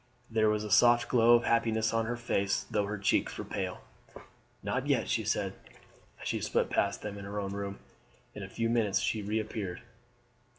There was a soft glow of happiness on her face, though her cheeks were pale. "Not yet!" she said, as she swept past them into her own room. In a few minutes she reappeared.